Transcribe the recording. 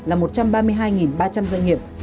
là một trăm ba mươi hai ba trăm linh doanh nghiệp